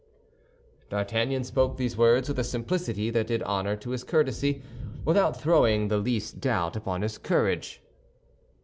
D'Artagnan spoke these words with a simplicity that did honor to his courtesy, without throwing the least doubt upon his courage.